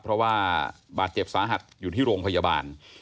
เพราะว่าบาดเจ็บสาหัสอยู่ที่โรงพยาบาล